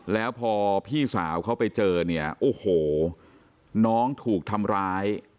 แล้วพอพี่สาวเขาไปเจอเนี่ยโอ้โหน้องถูกทำร้าย